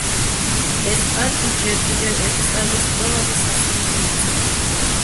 ეს პარკი ჯერ კიდევ ექსტაზის ყველაზე სასურველი ნაწილია.